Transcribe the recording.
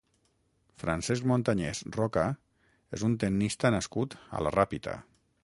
Francesc Montañés-Roca és un tennista nascut a la Ràpita.